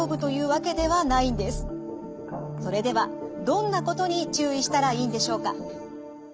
それではどんなことに注意したらいいんでしょうか？